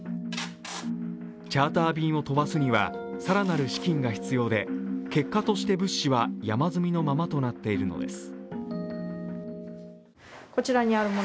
チャーター便を飛ばすには更なる資金が必要で結果として物価は山積みのままとなっているのです。